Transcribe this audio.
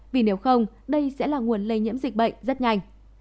vì nếu không đây sẽ là nguồn lây nhiễm dịch bệnh rất nhanh